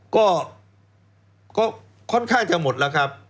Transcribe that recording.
ก็ค่อนข้างจะหมดแล้วครับ